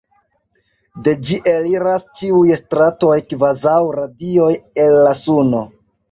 De ĝi eliras ĉiuj stratoj kvazaŭ radioj el la suno.